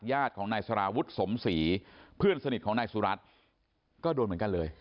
ญาติของนายสารวุฒิสมศรีเพื่อนสนิทของนายสุรัตน์ก็โดนเหมือนกันเลย